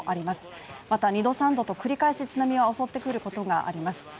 また２度３度と繰り返し津波が襲ってくることがあります。